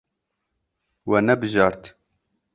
We nebijart.